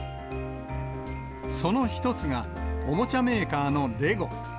その一つが、おもちゃメーカーのレゴ。